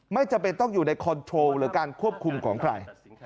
ไม่จำเป็นต้องอยู่ในคอนโทรลหรือการควบคุมของใคร